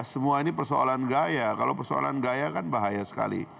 semua ini persoalan gaya kalau persoalan gaya kan bahaya sekali